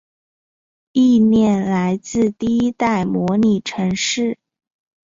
意念来自第一代模拟城市。